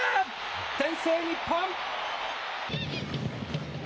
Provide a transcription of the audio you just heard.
先制、日本。